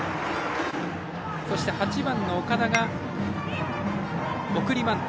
そして、８番の岡田が送りバント。